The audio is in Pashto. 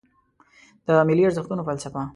د ملي ارزښتونو فلسفه